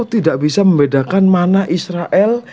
tidak bisa membedakan mana israel